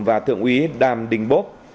và thượng úy đoàn đình bốp